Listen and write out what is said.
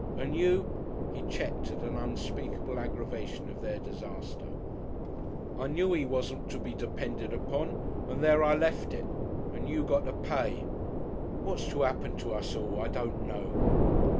And you " He checked at an unspeakable aggravation of their disaster. "I knew 'e wasn't to be depended upon and there I left it! And you got to pay.... What's to 'appen to us all, I don't know."